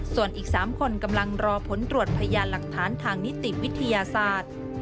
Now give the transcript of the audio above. ส่วนอีก๓คนกำลังรอผลตรวจพยานหลักฐานทางนิติวิทยาศาสตร์